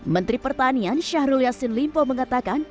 menteri pertanian syahrul yassin limpo mengatakan